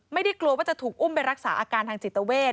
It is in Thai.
ไม่ได้กลัวว่าจะถูกอุ้มไปรักษาอาการทางจิตเวท